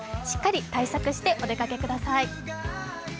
しっかり対策してお出かけください。